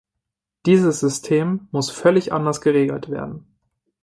Dieses System muss völlig anders geregelt werden.